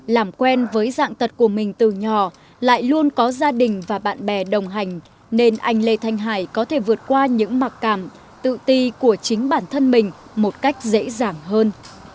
làm quen với dạng tật của mình từ nhỏ lại luôn có gia đình và bạn bè đồng hành nên anh lê thanh hải có thể vượt qua những mặc cảm tự ti của chính bản thân mình một cách dễ dàng hơn